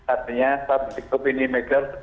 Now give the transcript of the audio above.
artinya saat dikop ini mereka balik